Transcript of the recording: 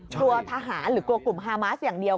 กลัวทหารหรือกลุ่มฮามาสอย่างเดียว